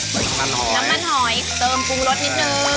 น้ำมันหอยน้ำมันหอยเติมปรุงรสนิดนึง